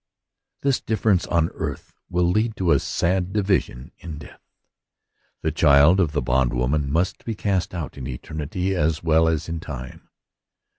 This difference on earth will lead to a sad divi sion in death. The child of the bondwoman must be cast out in eternity as well as in time.